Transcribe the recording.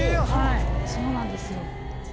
はいそうなんですよ。